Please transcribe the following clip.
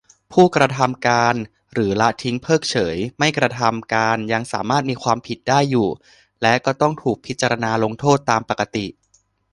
ผู้กระทำการหรือละทิ้งเพิกเฉยไม่กระทำการ ยังสามารถมีความผิดได้อยู่ และก็ต้องถูกพิจารณาลงโทษตามปกติ